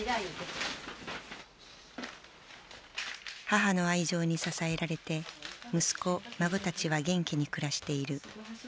母の愛情に支えられて息子孫たちは元気に暮らしている。